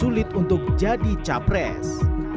untuk jadi capres